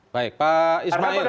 baik pak ismail